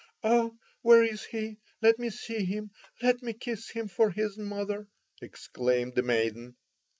"Oh, where is he? Let me see him. Let me kiss him for his mother!" exclaimed the maiden.